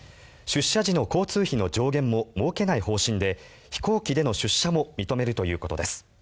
出社時の交通費の上限も設けない方針で飛行機での出社も認めるということです。